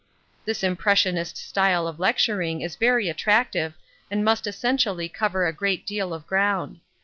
This impressionist style of lecturing is very attractive and must essentially cover a great deal of ground.